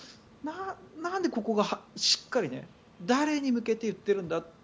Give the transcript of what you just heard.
なんで、ここがしっかり誰に向けて言ってるんだ。